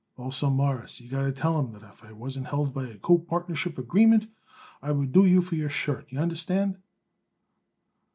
Also, Mawruss, you got to tell him that if I wasn't held by a copartnership agreement I would do you for your shirt, y'understand?"